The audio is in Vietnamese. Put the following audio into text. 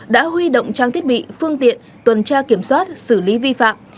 đã huy động trang thiết bị phương tiện tuần tra kiểm soát xử lý vi phạm